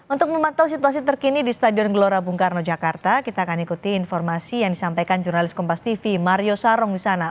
untuk memantau situasi terkini di stadion gelora bung karno jakarta kita akan ikuti informasi yang disampaikan jurnalis kompas tv mario sarong di sana